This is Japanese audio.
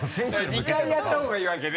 ２回やった方がいいわけね？